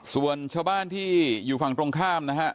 ส่วนชาวบ้านที่อยู่ฝั่งตรงข้ามนะฮะ